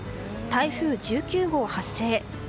台風１９号発生。